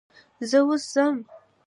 زه اوس ځم.